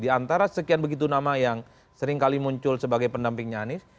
di antara sekian begitu nama yang seringkali muncul sebagai pendampingnya anies